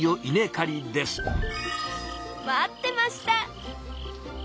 待ってました！